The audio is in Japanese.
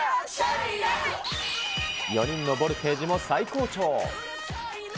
４人のボルテージも最高潮。